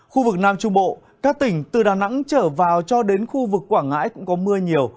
khu vực nam trung bộ các tỉnh từ đà nẵng trở vào cho đến khu vực quảng ngãi cũng có mưa nhiều